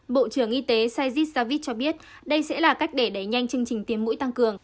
bộ trưởng y tế saigis javis cho biết đây sẽ là cách để đẩy nhanh chương trình tiêm mũi tăng cường